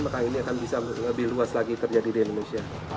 maka ini akan bisa lebih luas lagi terjadi di indonesia